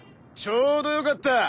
ちょうどよかった。